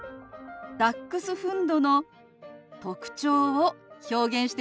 ダックスフンドの特徴を表現してみます。